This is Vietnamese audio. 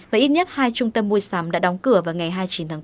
và ít nhất hai trung tâm mua sắm đã đóng cửa vào ngày hai mươi chín tháng bốn